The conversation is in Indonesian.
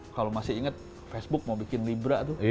kalau masih ingat facebook mau bikin libra tuh